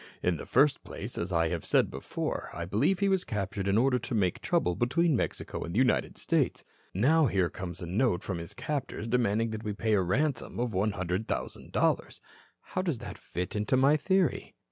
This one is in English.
In the first place, as I have said before, I believe he was captured in order to make trouble between Mexico and the United States. Now, here comes a note from his captors demanding that we pay a ransom of one hundred thousand dollars. How does that fit into my theory?